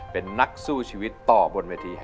สวัสดีครับสวัสดีครับ